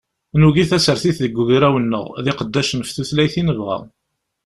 Nugi tasertit deg ugraw-nneɣ, d iqeddacen ɣef tutlayt i nebɣa.